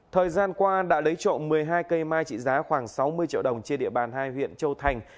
thời gian qua đã lấy trộm một mươi hai cây mai trị giá khoảng sáu mươi triệu đồng trên địa bàn hai huyện châu thành